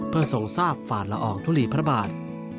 เพื่อทรงทราบฝ่าละอองทุลีพระบาท